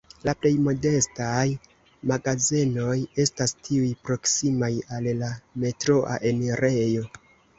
La plej modestaj magazenoj estas tiuj proksimaj al la metroa enirejo.